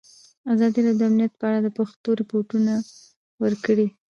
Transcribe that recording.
ازادي راډیو د امنیت په اړه د پېښو رپوټونه ورکړي.